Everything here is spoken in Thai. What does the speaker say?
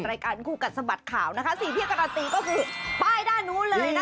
รายการคู่กัดสะบัดข่าวนะคะสิ่งที่การันตีก็คือป้ายด้านนู้นเลยนะคะ